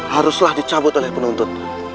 haruslah dicabut oleh penuntut